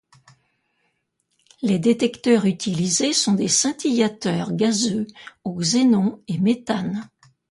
Les détecteurs utilisés sont des scintillateurs gazeux au xénon et méthane.